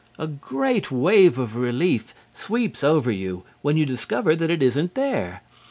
A great wave of relief sweeps over you when you discover that it isn't there.